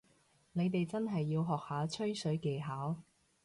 你哋真係要學下吹水技巧